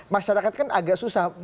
masyarakat kan agak susah